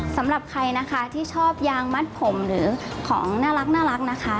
สำหรับใครนะคะที่ชอบยางมัดผมหรือของน่ารักนะคะ